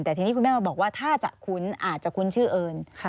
แต่ทีนี้คุณแม่มาบอกว่าถ้าจะคุ้นอาจจะคุ้นชื่ออื่น